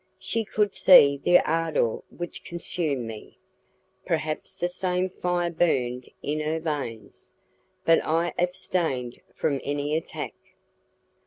She could see the ardour which consumed me; perhaps the same fire burned in her veins, but I abstained from any attack.